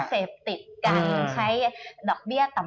เสพติดกันใช้ดอกเบี้ยต่ำ